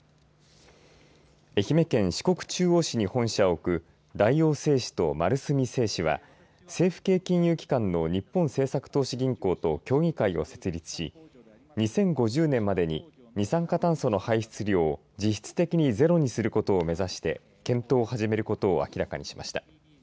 愛媛県四国中央市に本社を置く大王製紙と丸住製紙は政府系金融機関の日本政策投資銀行と協議会を設立し２０５０年までに二酸化炭素の排出量を実質的にゼロを目指して検討を始めることを明らかにしました。